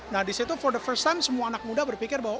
nah disitu for the first time semua anak muda berpikir bahwa